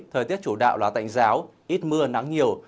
thời tiết chủ đạo là tạnh giáo ít mưa nắng nhiều